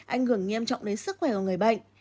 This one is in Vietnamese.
ảnh hưởng nghiêm trọng đến sức khỏe của người bệnh